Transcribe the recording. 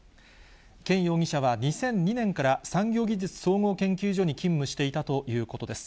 ケン容疑者は２００２年から、産業技術総合研究所に勤務していたということです。